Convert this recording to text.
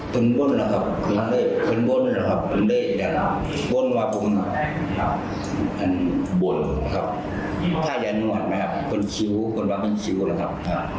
ขออาจารยาแยกผวดนี่ครับแล้วแกบอกว่าเหม็นเอามันดีกว่าถูกไหมครับ